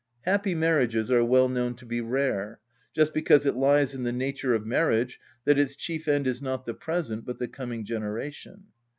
Happy marriages are well known to be rare; just because it lies in the nature of marriage that its chief end is not the present but the coming generation.